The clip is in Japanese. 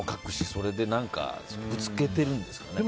それでぶつけてるんですかね。